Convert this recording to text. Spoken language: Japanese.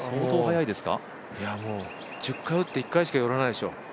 １０回打って１回しか寄らないでしょ。